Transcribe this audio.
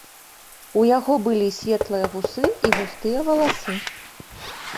У яго былі светлыя вусы і густыя валасы.